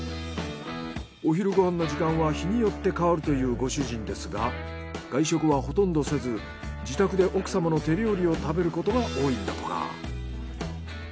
お昼ご飯の時間は日によって変わるというご主人ですが外食はほとんどせず自宅で奥様の手料理を食べることが多いんだとか。